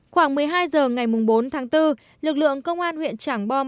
khoảng một mươi hai h ngày bốn tháng bốn lực lượng công an huyện trảng bom